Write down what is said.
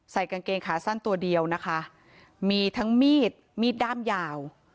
กางเกงขาสั้นตัวเดียวนะคะมีทั้งมีดมีดด้ามยาว